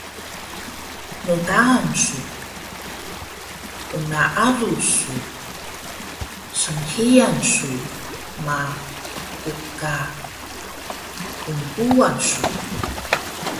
ndaan su, gnaalu su, snhiyan su ma uka qnquwan su